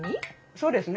そうですね。